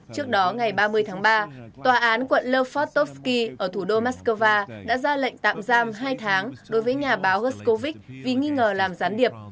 trước đó ngày ba mươi tháng ba tòa án quận lefortovsky ở thủ đô moscow đã ra lệnh tạm giam hai tháng đối với nhà báo guscow vì nghi ngờ làm gián điệp